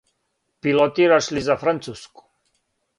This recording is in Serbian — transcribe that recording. Пилотираш ли за Француску?